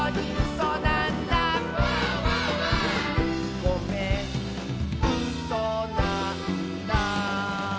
「ごめんうそなんだ」